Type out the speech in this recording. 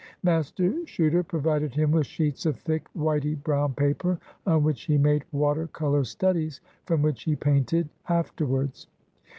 Master Chuter provided him with sheets of thick whitey brown paper, on which he made water color studies, from which he painted afterwards.